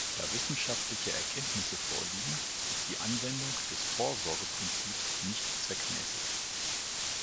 Da wissenschaftliche Erkenntnisse vorliegen, ist die Anwendung des Vorsorgeprinzips nicht zweckmäßig.